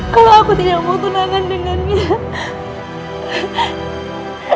kalau aku tidak mau tunangan dengan dia